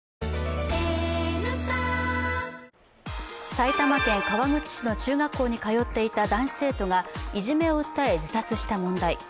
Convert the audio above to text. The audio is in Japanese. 埼玉県川口市の中学校に通っていた男子生徒がいじめを訴え、自殺した問題。